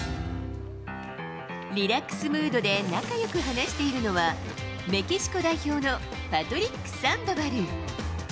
リラックスムードで仲よく話しているのはメキシコ代表のパトリック・サンドバル。